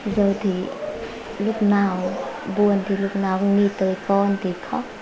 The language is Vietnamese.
giờ thì lúc nào buồn thì lúc nào không đi tới con thì khóc